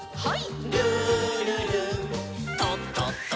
はい。